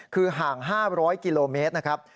คือห่าง๕๐๐กิโลเมตรนะครับ